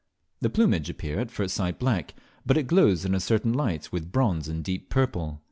The plumage appear, at first sight black, but it glows in certain light with bronze and deep purple.